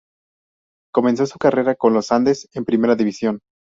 Comenzó su carrera con Los Andes en Primera División.